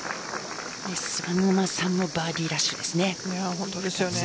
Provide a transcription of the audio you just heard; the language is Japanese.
菅沼さんもバーディーラッシュですね。